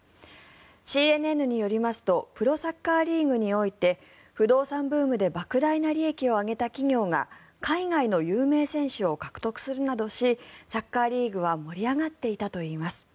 ＣＮＮによりますとプロサッカーリーグにおいて不動産ブームでばく大な利益を上げた企業が海外の有名選手を獲得するなどしサッカーリーグは盛り上がっていたといいます。